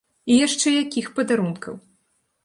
І яшчэ якіх падарункаў!